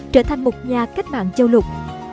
trở thành một nhà cách mạng châu lục